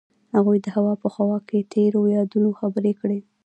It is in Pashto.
هغوی د هوا په خوا کې تیرو یادونو خبرې کړې.